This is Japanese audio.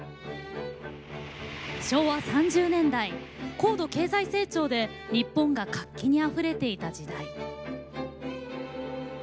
昭和３０年代、高度経済成長で日本が活気にあふれていた時代。